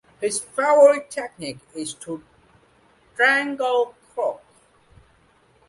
His favorite technique is Triangle choke.